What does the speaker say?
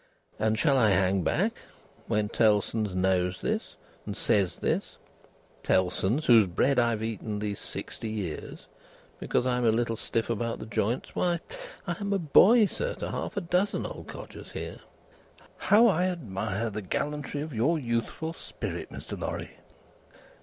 And shall I hang back, when Tellson's knows this and says this Tellson's, whose bread I have eaten these sixty years because I am a little stiff about the joints? Why, I am a boy, sir, to half a dozen old codgers here!" "How I admire the gallantry of your youthful spirit, Mr. Lorry."